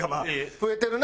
増えてるな？